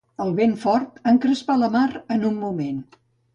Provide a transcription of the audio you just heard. El vent fort encrespà la mar en un moment.